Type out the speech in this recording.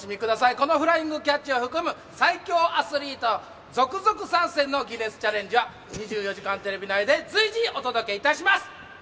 このフライングキャッチを含む最強アスリート続々参戦のギネスチャレンジは、２４時間テレビ内で随時お届けいたします。